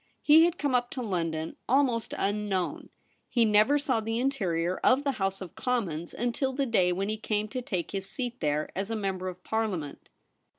He had come up to London almost unknown ; he never saw the interior of the House of Commons until the day when he came to take his seat there as a member of Parliament.